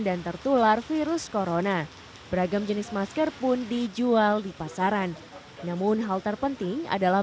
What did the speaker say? dan tertular virus corona beragam jenis masker pun dijual di pasaran namun hal terpenting adalah